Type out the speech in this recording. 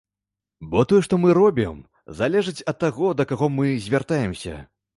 Бо тое, што мы робім, залежыць ад таго, да каго мы звяртаемся.